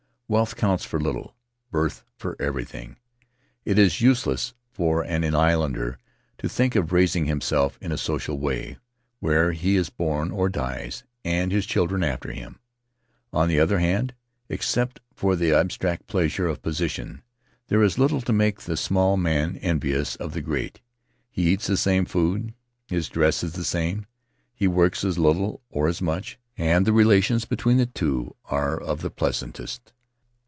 Wealth counts for little, birth for everything; it is useless for an islander to think of raising himself in a social way — where he is born he dies, and his children after him. On the other hand, except for the abstract pleasure of position, there is little to make the small man envious of the great; he eats the same food, his dress is the same, he works as little or as much, and the relations Faery Lands of the South Seas between the two are of the pleasantest.